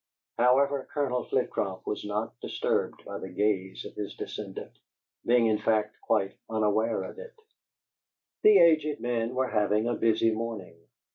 However, Colonel Flitcroft was not disturbed by the gaze of his descendant, being, in fact, quite unaware of it. The aged men were having a busy morning.